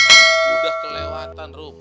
udah kelewatan rum